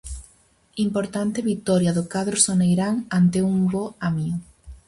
Importante vitoria do cadro soneirán ante un bo Amio.